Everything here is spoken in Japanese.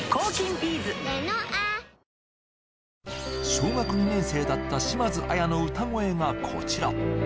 小学２年生だった島津亜矢の歌声がこちら！